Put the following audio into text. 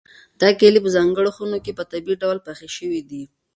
دا کیلې په ځانګړو خونو کې په طبیعي ډول پخې شوي دي.